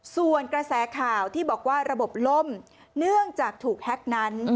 ส่วนกระแสข่าวที่บอกว่าระบบล่มเนื่องจากถูกแฮ็กนั้น